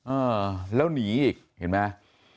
เออแล้วหนีอีกเห็นไหม